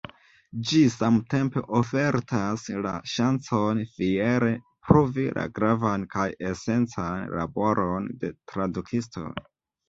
Ĝi samtempe ofertas la ŝancon fiere pruvi la gravan kaj esencan laboron de tradukistoj.